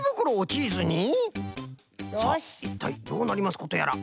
さあいったいどうなりますことやら。